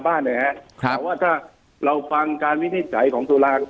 เพราะว่าถ้าเราฟังวิทยาธิษฐรรม